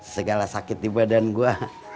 segala sakit di badan gua